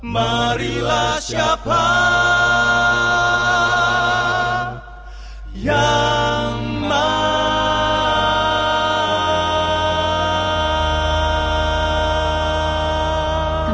marilah siapa yang mau